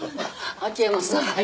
秋山さん。